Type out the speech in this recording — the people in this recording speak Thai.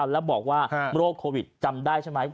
แล้วบอกว่าโรคโควิดจำได้ใช่ไหม